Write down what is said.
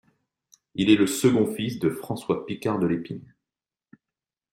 Il est le second fils de François Picard de Lespine.